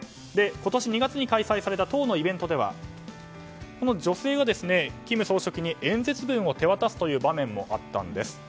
今年２月に開催された党のイベントでは女性が金総書記に演説文を手渡すという場面もあったんです。